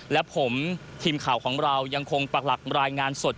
และผมทีมข่าวของเรายังคงปรักหลักรายงานสด